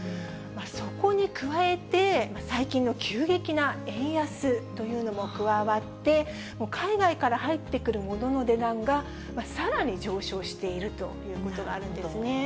そこに加えて、最近の急激な円安というのも加わって、海外から入ってくる物の値段がさらに上昇しているということがあるんですね。